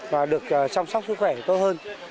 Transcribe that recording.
và được chăm sóc sức khỏe tốt hơn